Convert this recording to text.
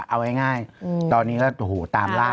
เอาไว้ง่ายอืมตอนนี้ก็โถโหตามร่างอ่า